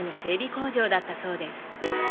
工場だったそうです。